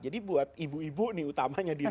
jadi buat ibu ibu nih utamanya di rumah